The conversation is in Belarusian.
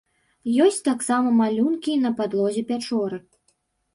Ёсць таксама малюнкі і на падлозе пячоры.